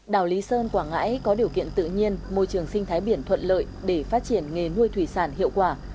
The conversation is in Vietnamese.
đảo lý sơn quảng ngãi có điều kiện tự nhiên môi trường sinh thái biển thuận lợi để phát triển nghề nuôi thủy sản hiệu quả